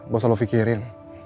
gak usah lo pikirin